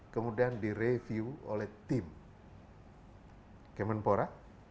kemudian direview oleh tim kemenpora